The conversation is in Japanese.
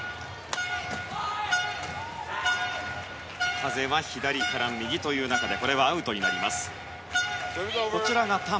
風は左から右という中でアウトになりました。